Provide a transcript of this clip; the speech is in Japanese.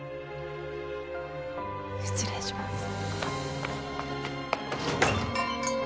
失礼します。